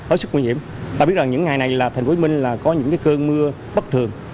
ở sức nguy hiểm ta biết rằng những ngày này là thành phố hồ chí minh là có những cơn mưa bất thường